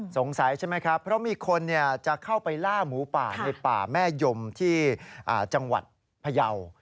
ใช่ไหมครับเพราะมีคนจะเข้าไปล่าหมูป่าในป่าแม่ยมที่จังหวัดพยาว